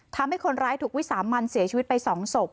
ทำให้คนร้ายถูกวิสามันเสียชีวิตไป๒ศพ